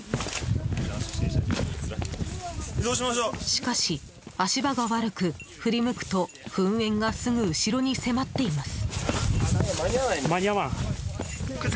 しかし足場が悪く、振り向くと噴煙がすぐ後ろに迫っています。